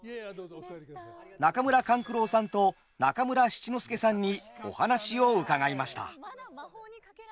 中村勘九郎さんと中村七之助さんにお話を伺いました。